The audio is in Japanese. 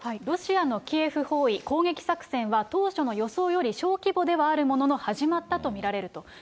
ロシアのキエフ包囲、攻撃作戦は、当初の予想より小規模ではあるものの、始まったと見られると。